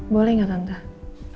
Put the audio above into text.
boleh gak tante